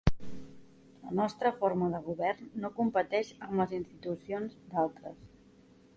La nostra forma de govern no competeix amb les institucions d'altres.